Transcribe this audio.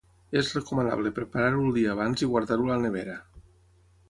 És recomanable preparar-ho el dia abans i guardar-ho a la nevera.